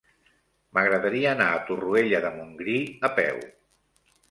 M'agradaria anar a Torroella de Montgrí a peu.